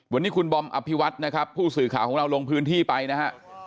วันนี้คุณบอมอภิวัตนะครับผู้สื่อข่าวของเราลงพื้นที่ไปนะฮะ